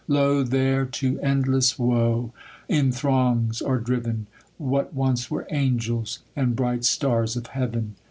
Lo, there to endless woe in throngs are driven, What once were angels, and briglu stars of heaven